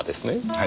はい。